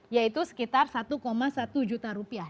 yaitu sekitar satu satu juta rupiah